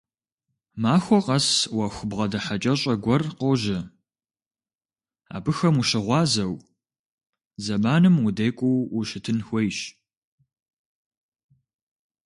Махуэ къэс Ӏуэху бгъэдыхьэкӀэщӀэ гуэр къожьэ, абыхэм ущыгъуазэу, зэманым удекӀуу ущытын хуейщ.